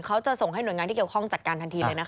เขาจะส่งให้หน่วยงานที่เกี่ยวข้องจัดการทันทีเลยนะคะ